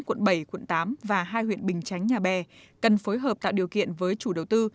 quận bảy quận tám và hai huyện bình chánh nhà bè cần phối hợp tạo điều kiện với chủ đầu tư